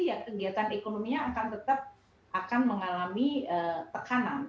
ya kegiatan ekonominya akan tetap akan mengalami tekanan